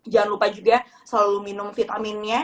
jangan lupa juga selalu minum vitaminnya